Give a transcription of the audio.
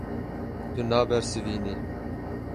Tu nabersivînî.